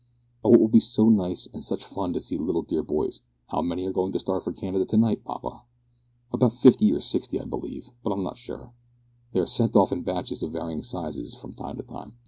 "Oh! it will be so nice, and such fun to see the dear little boys. How many are going to start for Canada, to night, papa?" "About fifty or sixty, I believe, but I'm not sure. They are sent off in batches of varying size from time to time."